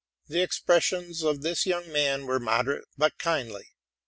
The expressions of this young man were moderate but kmdly.